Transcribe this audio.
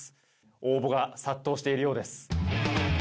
応募が殺到しているようです。